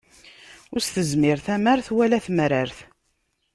Ur as-tezmir tamart, wala temrart.